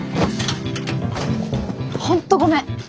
本当ごめん。